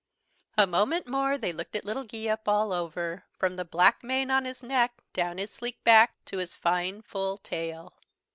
A moment more they looked Little Geeup all over, from the black mane on his neck down his sleek back to his fine full tail.